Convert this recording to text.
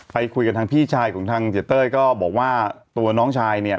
ไปคุยกับทางพี่ชายของทางเสียเต้ยก็บอกว่าตัวน้องชายเนี่ย